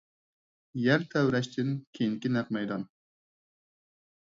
يەر تەۋرەشتىن كېيىنكى نەق مەيدان.